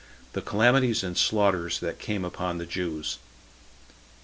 The Calamities And Slaughters That Came Upon The Jews.